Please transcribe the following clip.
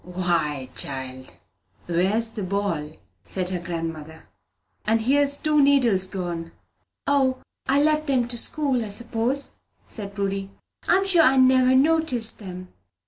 "Why, child, where's the ball?" said her grandmother. "And here's two needles gone!" "O, I left 'em to school, I s'pose," said Prudy. "I'm sure I never noticed 'em."